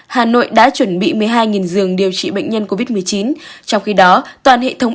hà nội đã chuẩn bị một mươi hai giường điều trị bệnh nhân covid một mươi chín trong khi đó toàn hệ thống